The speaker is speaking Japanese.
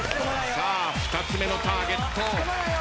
２つ目のターゲット。